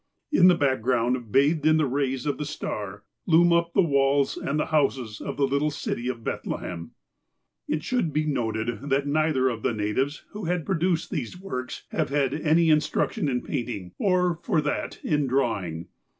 In the background, bathed in the rays of the star, loom up the walls and the houses of the little city of Bethlehem. It should be noted that neither of the natives, who have l^roduced these works, have had any instruction in paint ing, or, for that, in drawing.